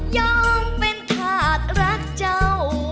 ยอมเป็นถาดรักเจ้า